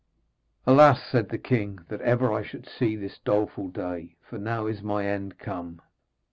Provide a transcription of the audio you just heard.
'Alas,' said the king, 'that ever I should see this doleful day, for now is my end come.